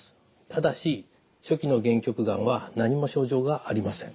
ただし初期の限局がんは何も症状がありません。